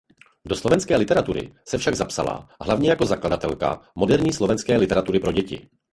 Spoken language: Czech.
Do slovenské literatury se však zapsala hlavně jako zakladatelka moderní slovenské literatury pro děti.